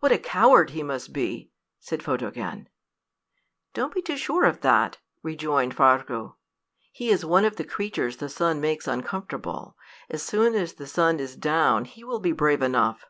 "What a coward he must be!" said Photogen. "Don't be too sure of that," rejoined Fargu. "He is one of the creatures the sun makes uncomfortable. As soon as the sun is down he will be brave enough."